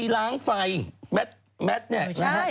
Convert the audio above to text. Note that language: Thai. ล้างไฟแมทเนี่ย